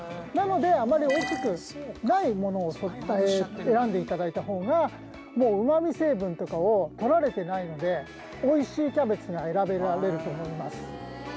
なのであまり大きくないものを選んで頂いた方がうまみ成分とかを取られてないのでおいしいキャベツが選べると思います。